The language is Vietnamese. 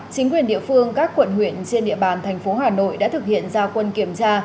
chính quyền địa phương các quận huyện trên địa bàn thành phố hà nội đã thực hiện giao quân kiểm tra